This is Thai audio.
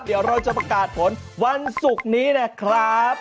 เดี๋ยวเราจะประกาศผลวันศุกร์นี้นะครับ